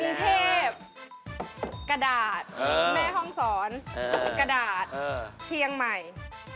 กุญเคพกระดาษแม่ห้องสอนกระดาษเที่ยงใหม่